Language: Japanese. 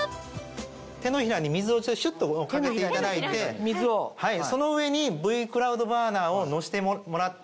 手のひらに水をシュっとかけていただいてその上にＶ−ｃｌｏｕｄｂｕｒｎｅｒを乗せてもらって。